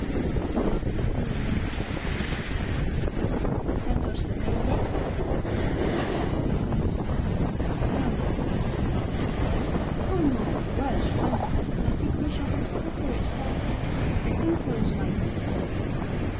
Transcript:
"I've been having a long talk with her." "Settled the day yet?" asked the Colonel, with a knowing little laugh. "No!" "Upon my word, Frances, I think we shall have to settle it for them. Things weren't like this when we were young.